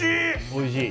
おいしい！